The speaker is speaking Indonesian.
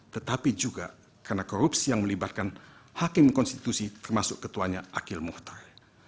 tetapi juga karena korupsi yang melibatkan hakim konstitusi termasuk ketuanya akil muhtar